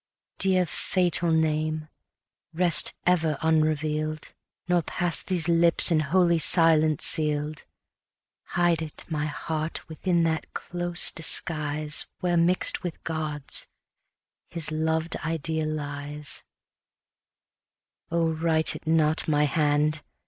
Dear fatal name! rest ever unreveal'd, Nor pass these lips in holy silence seal'd: 10 Hide it, my heart, within that close disguise Where, mix'd with God's, his loved idea lies: Oh write it not, my hand!